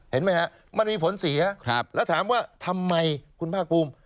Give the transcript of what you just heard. เห็นไหมฮะมันมีผล๔ครับแล้วถามว่าทำไมคุณพ่ากลุ้ม